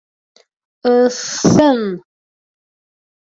— Ыҫ-ҫ-ҫ-ҫ-ын!